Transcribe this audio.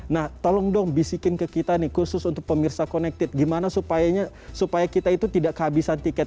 nah tolong dong bisikin ke kita nih khusus untuk pemirsa connected gimana supaya kita itu tidak kehabisan tiket